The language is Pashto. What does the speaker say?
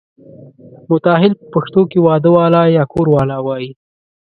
متاهل په پښتو کې واده والا یا کوروالا وایي.